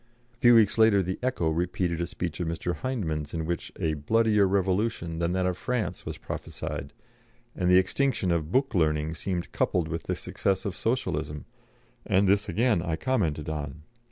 A few weeks later the Echo repeated a speech of Mr. Hyndman's in which a "bloodier revolution" than that of France was prophesied, and the extinction of "book learning" seemed coupled with the success of Socialism, and this again I commented on.